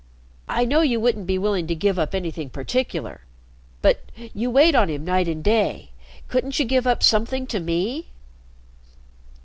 I know you wouldn't be willing to give up anything particular. But you wait on him night and day. Couldn't you give up something to me?"